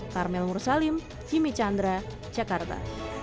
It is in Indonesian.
karmel mursalim jimmy chandra jakarta